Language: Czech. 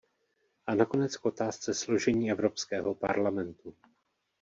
A nakonec k otázce složení Evropského parlamentu.